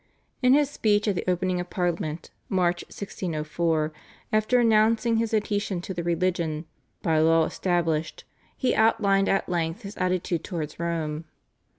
In his speech at the opening of Parliament (March 1604) after announcing his adhesion to the religion "by law established" he outlined at length his attitude towards Rome.